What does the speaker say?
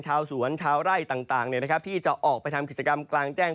ชาวสวนชาวไร่ต่างที่จะออกไปทำกิจกรรมกลางแจ้ง